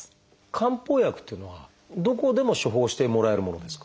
漢方薬っていうのはどこでも処方してもらえるものですか？